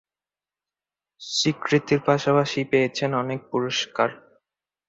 স্বীকৃতির পাশাপাশি পেয়েছেন অনেক পুরস্কার।